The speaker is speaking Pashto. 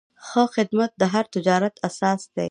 ښه خدمت د هر تجارت اساس دی.